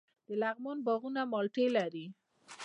د لغمان باغونه مالټې لري.